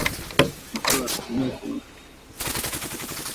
ikipewa asilimia themanini na sita